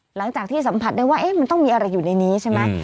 หลังจากที่สัมผัสได้ว่ามันต้องมีอะไรอยู่ในนี้ใช่ไหม